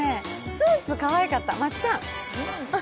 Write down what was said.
スーツかわいかった、まっちゃん。